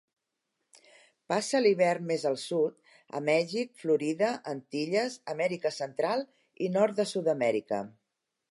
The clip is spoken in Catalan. Passa l'hivern més al sud, a Mèxic, Florida, Antilles, Amèrica Central i nord de Sud-amèrica.